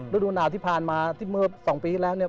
ฤดูหนาวที่ผ่านมาที่เมื่อ๒ปีที่แล้วเนี่ย